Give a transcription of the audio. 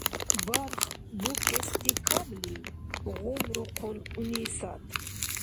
— Барх букести камлив? — гъумрухъун Унисат.